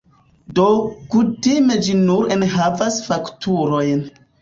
Do, kutime ĝi nur enhavas fakturojn.